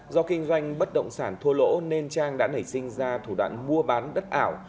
do kinh doanh bất động sản thua lỗ nên trang đã nảy sinh ra thủ đoạn mua bán đất ảo